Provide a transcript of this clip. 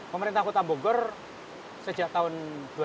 pemerintah kota bogor sejak tahun dua ribu delapan belas